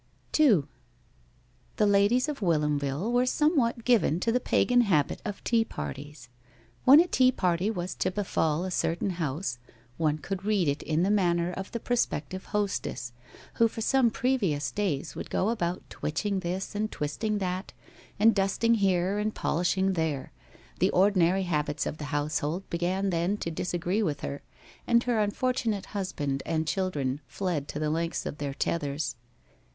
II The ladies of Whilomville were somewhat given to the pagan habit of tea parties. When a tea party was to befall a certain house one could read it in the manner of the prospective hostess, who for some previous days would go about twitching this and twisting that, and dusting here and polishing there; the ordinary habits of the household began then to disagree with her, and her unfortunate husband and children fled to the lengths of their tethers.